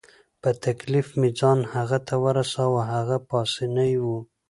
په تکلیف مې ځان هغه ته ورساوه، هغه پاسیني وو.